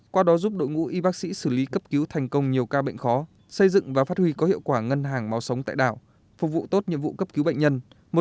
qua đó giúp đội ngũ y bác sĩ xử lý cấp cứu thành công nhiều ca bệnh khó xây dựng và phát huy có hiệu quả ngân hàng máu sống tại đảo phục vụ tốt nhiệm vụ cấp cứu bệnh nhân